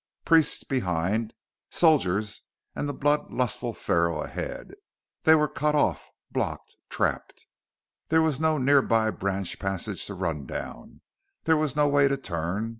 Priests behind, soldiers and the blood lustful Pharaoh ahead. They were cut off, blocked, trapped. There was no nearby branch passage to run down; there was no way to turn.